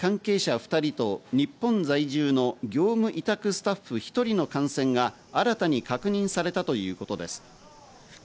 ２人と日本在住の業務委託スタッフ１人の感染が新たに確認されたということです。